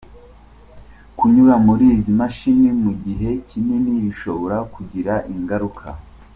Kunyura muri izi mashini mu gihe kinini bishobora kugira ingaruka.